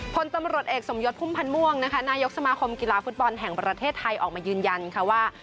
พลตำรวจเอกสมยศพุ่มพันธ์ม่วงนะคะนายกสมาคมกีฬาฟุตบอลแห่งประเทศไทยออกมายืนยันค่ะว่า